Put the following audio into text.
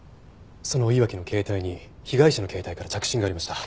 その岩城の携帯に被害者の携帯から着信がありました。